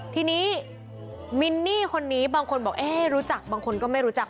ทีนี้มินนี่คนนี้บางคนบอกเอ๊ะรู้จักบางคนก็ไม่รู้จัก